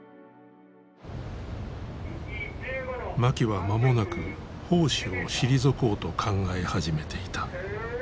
槇は間もなく砲手を退こうと考え始めていた。